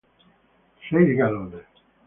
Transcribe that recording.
seis galones